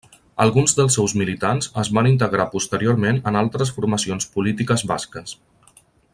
Alguns dels seus militants es van integrar posteriorment en altres formacions polítiques basques.